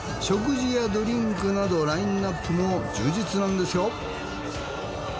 食事やドリンクなどラインナップも充実なんですよ。